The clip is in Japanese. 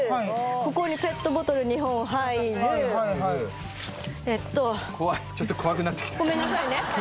ここにペットボトル２本入るえっと怖いちょっと怖くなってきたごめんなさいね